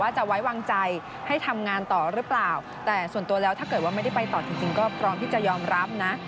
จะไว้วางใจให้ทำงานต่อหรือเปล่าแต่ส่วนตัวแล้วถ้าเกิดว่าไม่ได้ไปต่อจริงก็พร้อมที่จะยอมรับนะ